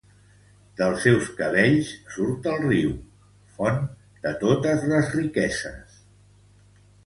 Dels seus cabells surt el riu, font de totes les riqueses.